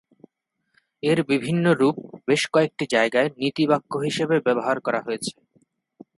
এর বিভিন্ন রূপ বেশ কয়েকটি জায়গায় নীতিবাক্য হিসাবে ব্যবহার করা হয়েছে।